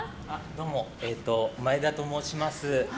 どうも、前田と申します。